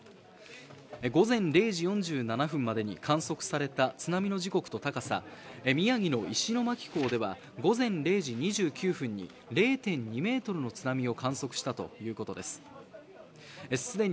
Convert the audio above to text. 午前０時４７分までに観測された津波の時刻と高さ宮城の石巻港では午前０時２９分に０．２ｍの津波を観測したということです。